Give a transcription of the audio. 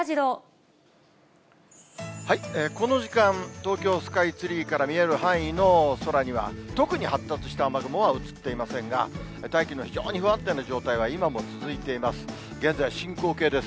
東京スカイツリーから見える範囲の空には、特に発達した雨雲は映っていませんが、大気の非常に不安定な状態は今も続いています。